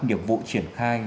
điệp vụ triển khai